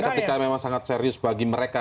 ketika memang sangat serius bagi mereka